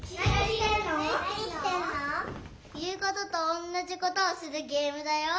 いうこととおんなじことをするゲームだよ。